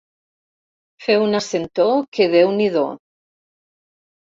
Fer una sentor que déu-n'hi-do.